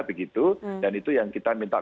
begitu dan itu yang kita minta